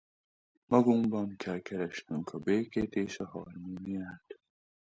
Magunkban kell keresnünk a békét és a harmóniát.